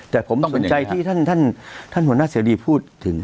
แต่ผมสนใจที่ท่านหัวหน้าเสรีพูดถึง